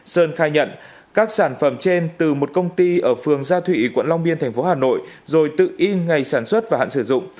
sơn khai nhận các sản phẩm trên từ một công ty ở phường gia thụy quận long biên tp hà nội rồi tự y ngày sản xuất và hạn sử dụng